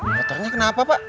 motornya kenapa pak